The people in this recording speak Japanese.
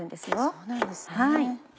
そうなんですね。